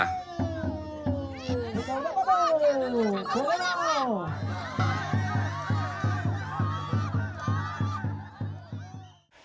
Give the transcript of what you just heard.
tết hoa màu gà